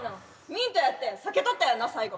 ミントやって避けとったやんな最後。